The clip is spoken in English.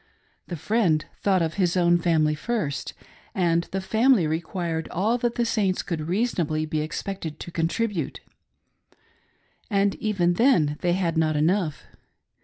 The ' friend ' thought of his own family first, and the family required all that the Saints could reasonahly be expected to contribute, and even then they had not enough.